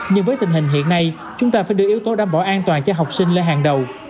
nhưng với tình hình hiện nay chúng ta phải đưa yếu tố đảm bảo an toàn cho học sinh lên hàng đầu